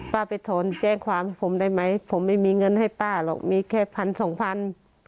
ไปถอนแจ้งความให้ผมได้ไหมผมไม่มีเงินให้ป้าหรอกมีแค่พันสองพัน